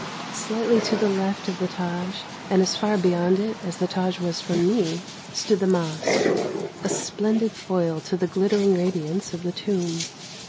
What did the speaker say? Slightly to the left of the Tâj, and as far beyond it as the Tâj was from me, stood the mosque, a splendid foil to the glittering radiance of the tomb.